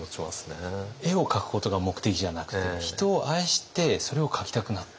絵を描くことが目的じゃなくて人を愛してそれを描きたくなった。